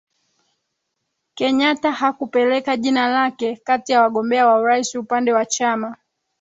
kenyata hakupeleka jina lake kati ya wagombea wa urais upande wa chama